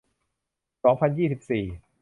สองพันยี่สิบสี่